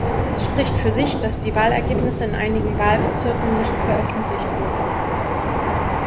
Es spricht für sich, dass die Wahlergebnisse in einigen Wahlbezirken nicht veröffentlicht wurden.